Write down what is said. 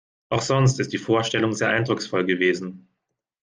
Auch sonst ist die Vorstellung sehr eindrucksvoll gewesen.